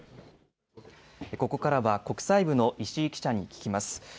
ここからは国際部の石井記者に聞きます。